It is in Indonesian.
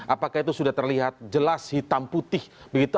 apakah itu sudah terlihat jelas hitam putih begitu